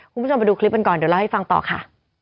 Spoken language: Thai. คุณผู้ชมไปดูคลิปกันก่อนเดี๋ยวเล่าให้ฟังต่อค่ะ